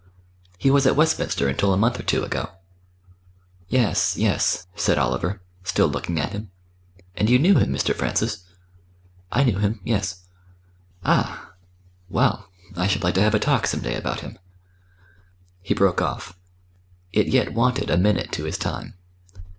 "He was at Westminster until a month or two ago." "Yes, yes," said Oliver, still looking at him. "And you knew him, Mr. Francis?" "I knew him yes." "Ah! well, I should like to have a talk some day about him." He broke off. It yet wanted a minute to his time.